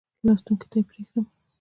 لوستونکو ته پرېږدم.